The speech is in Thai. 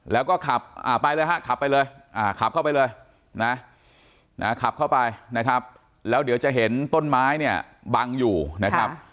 แล้วก็ขับไปเลยฮะขับไปเลยขับเข้าไปเลยนะขับเข้าไปนะครับแล้วเดี๋ยวจะเห็นต้นไม้เนี่ยบังอยู่นะครับ